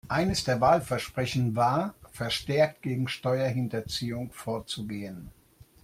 Eines der Wahlversprechen war, verstärkt gegen Steuerhinterziehung vorzugehen.